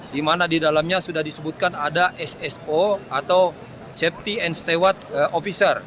di mana di dalamnya sudah disebutkan ada sso atau safety and steward officer